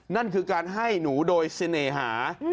นั่นคือการให้หนูโดยเสน่หา